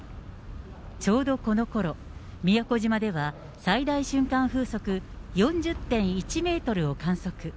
ちょうどこのころ、宮古島では最大瞬間風速４０．１メートルを観測。